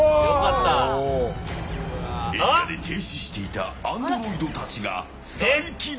エリアで停止していたアンドロイドたちが再起動。